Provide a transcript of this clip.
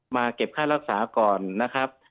เก็บค่ารักษาก่อนนะครับ